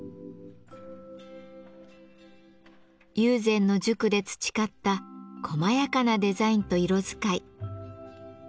友禅の塾で培った細やかなデザインと色使い。